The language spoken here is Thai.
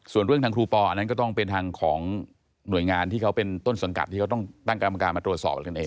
ส่วนเรื่องทางครูปออันนั้นก็ต้องเป็นทางของหน่วยงานที่เขาเป็นต้นสังกัดที่เขาต้องตั้งกรรมการมาตรวจสอบกันเอง